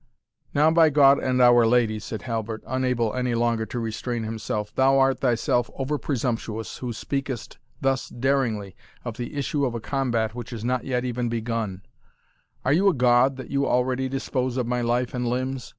"Now, by God and Our Lady," said Halbert, unable any longer to restrain himself, "thou art thyself over presumptuous, who speakest thus daringly of the issue of a combat which is not yet even begun Are you a god, that you already dispose of my life and limbs?